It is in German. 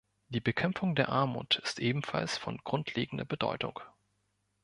Die Bekämpfung der Armut ist ebenfalls von grundlegender Bedeutung.